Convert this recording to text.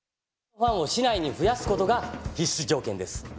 ファンを市内に増やすことが必須条件です。